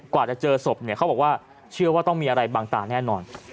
กว่าจะเจอศพเนี่ยเขาบอกว่าเชื่อว่าต้องมีอะไรบางตาแน่นอน